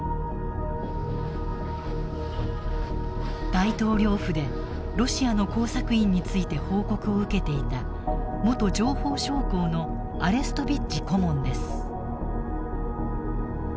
大統領府でロシアの工作員について報告を受けていた元情報将校のアレストビッチ顧問です。